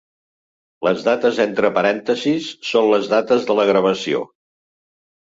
Les dates entre parèntesis són les dates de la gravació.